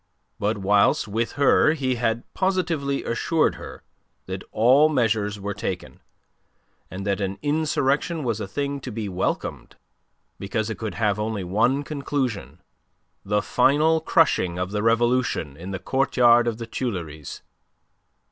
But whilst with her he had positively assured her that all measures were taken, and that an insurrection was a thing to be welcomed, because it could have one only conclusion, the final crushing of the Revolution in the courtyard of the Tuileries.